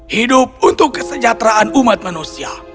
hidup untuk kesejahteraan umat manusia